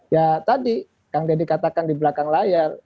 ya tadi kang deddy katakan di belakang layar